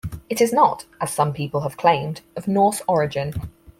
It is not, as some people have claimed, of Norse origin.